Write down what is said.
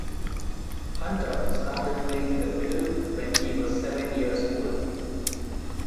Hunter started playing the fiddle when he was seven years old.